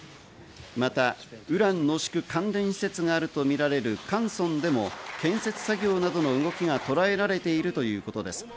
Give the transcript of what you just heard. また、ウラン濃縮関連施設があるとみられるカンソンでも建設作業などの動きが捉えられているということです。